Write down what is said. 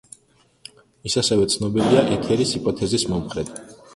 ის ასევე ცნობილია ეთერის ჰიპოთეზის მომხრედ.